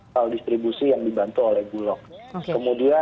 kalau distribusi yang dibantu oleh bulok